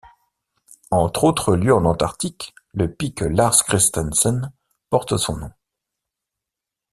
Entre autres lieux en Antarctique, le pic Lars Christensen porte son nom.